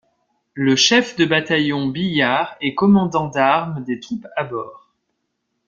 Le chef de bataillon Billard est commandant d’armes des troupes à bord.